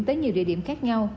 tới nhiều địa điểm khác nhau